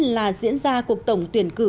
là diễn ra cuộc tổng tuyển cử